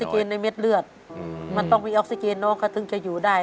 ออกซิเกนในเม็ดเลือดมันต้องมีออกซิเกนน้องก็จะอยู่ได้